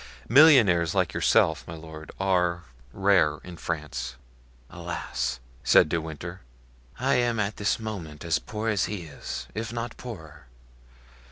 Millionaires like yourself, my lord, are rare in France." "Alas!" said De Winter, "I am at this moment as poor as he is, if not poorer.